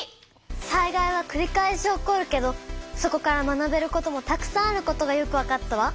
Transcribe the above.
災害はくり返し起こるけどそこから学べることもたくさんあることがよくわかったわ！